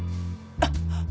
あっ！